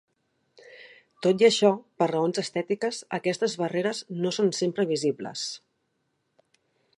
Tot i això, per raons estètiques, aquestes barreres no són sempre visibles.